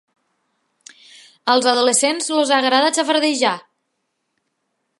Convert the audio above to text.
Als adolescents els agrada xafardejar.